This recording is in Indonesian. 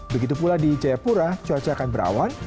begitu pula di jayapura cuaca akan berawan